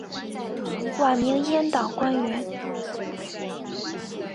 晚明阉党官员。